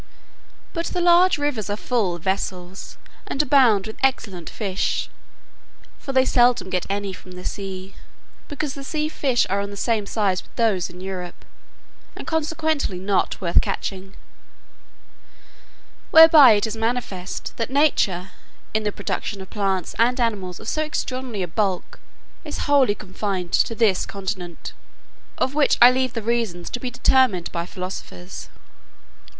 But the large rivers are full of vessels, and abound with excellent fish; for they seldom get any from the sea, because the sea fish are of the same size with those in Europe, and consequently not worth catching; whereby it is manifest, that nature, in the production of plants and animals of so extraordinary a bulk, is wholly confined to this continent, of which I leave the reasons to be determined by philosophers.